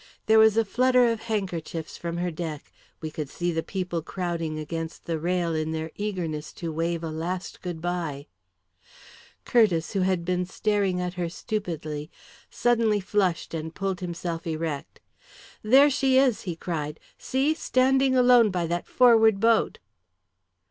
There was a flutter of hand kerchiefs from her deck, we could see the people crowding against the rail in their eagerness to wave a last good bye Curtiss, who had been staring at her stupidly, suddenly flushed and pulled himself erect. "There she is!" he cried. "See standing alone by that forward boat."